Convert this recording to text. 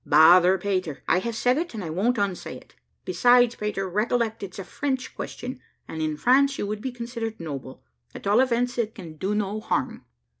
"Bother, Pater! I have said it, and I won't unsay it; besides, Pater, recollect it's a French question, and in France you would be considered noble. At all events it can do no harm."